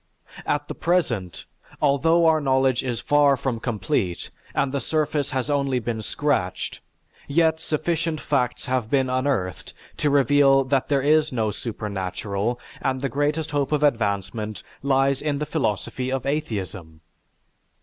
At the present, although our knowledge is far from complete and the surface has only been scratched, yet sufficient facts have been unearthed to reveal that there is no supernatural and the greatest hope of advancement lies in the philosophy of atheism.